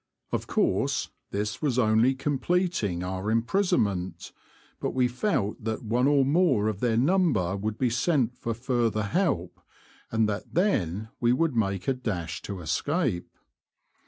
Of course this was only completing our imprisonment, but we felt that one or more of their number would be sent for further help, and that then we would make a dash to escape.